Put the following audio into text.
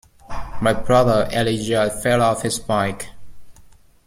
My brother Elijah fell off his bike.